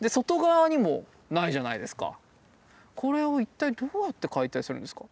これを一体どうやって解体するんですか？